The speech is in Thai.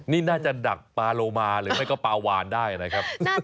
นี่น่าจะดักปลาโลมาหรือไม่ก็ปลาวานได้นะครับ